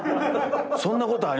そんなことあります？